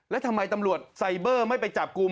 แล้วทำไมตำรวจไซเบอร์ไม่ไปจับกลุ่ม